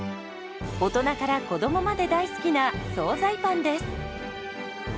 大人から子どもまで大好きな総菜パンです。